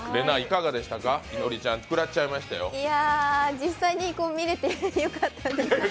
実際に見れてよかったです。